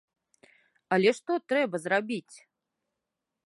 Але што трэба зрабіць?